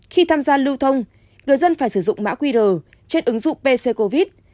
khi tham gia lưu thông người dân phải sử dụng mã qr trên ứng dụng pc covid